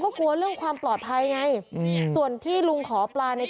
ก็กลัวเรื่องความปลอดภัยไงอืมส่วนที่ลุงขอปลาใน